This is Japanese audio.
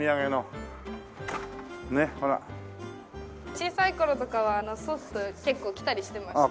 小さい頃とかは祖父と結構来たりしてました。